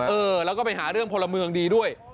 เออแล้วก็ไปหาเรื่องพลเมืองดีด้วย